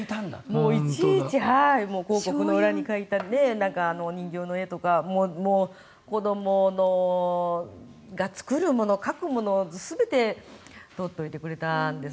もういちいち広告の裏に描いたお人形の絵とか子どもが作るもの、書くもの全て取っておいてくれたんです。